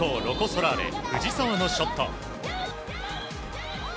ソラーレ藤澤のショット。